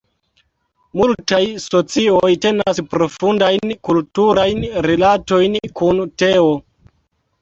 Multaj socioj tenas profundajn kulturajn rilatojn kun teo.